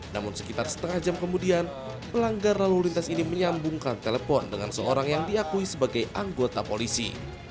namun sekitar setengah jam kemudian pelanggar lalu lintas ini menyambungkan telepon dengan seorang yang diakui sebagai anggota polisi